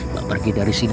mbak pergi dari sini